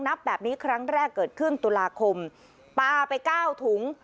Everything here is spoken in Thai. นับแบบนี้ครั้งแรกเกิดขึ้นตุลาคมปลาไปเก้าถุง